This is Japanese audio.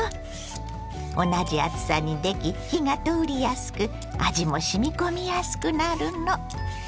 同じ厚さにでき火が通りやすく味もしみ込みやすくなるの。